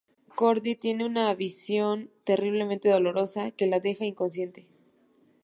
Cordy tiene una visión terriblemente dolorosa que la deja inconsciente.